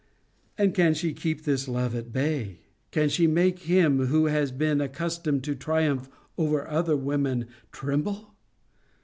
And can she keep this love at bay? Can she make him, who has been accustomed to triumph over other women, tremble?